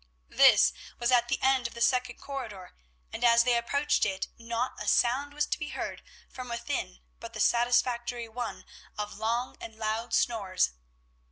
This was at the end of the second corridor, and as they approached it not a sound was to be heard from within but the satisfactory one of long and loud snores.